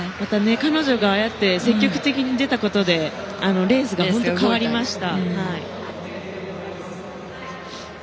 彼女が積極的に出たことでレースが本当に変わりました。